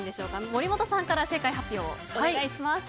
森本さんから正解発表をお願いします。